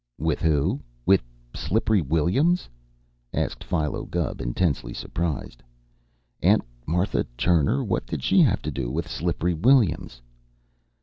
"With who? With Slippery Williams?" asked Philo Gubb, intensely surprised. "Aunt Martha Turner? What did she have to do with Slippery Williams?"